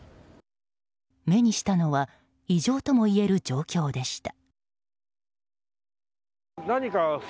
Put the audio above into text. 目にしたのは異常ともいえる状況でした。